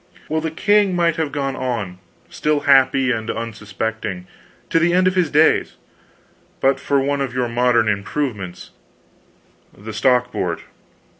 "Well, the king might have gone on, still happy and unsuspecting, to the end of his days, but for one of your modern improvements the stock board.